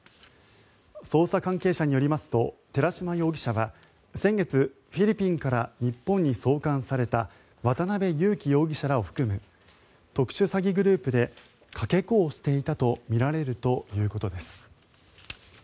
捜査関係者によりますと寺島容疑者は先月フィリピンから日本に送還された渡邉優樹容疑者らを含む特殊詐欺グループでかけ子をしていたとみられるということです。